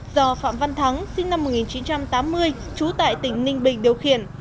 do phạm văn thắng sinh năm một nghìn chín trăm tám mươi trú tại tỉnh ninh bình điều khiển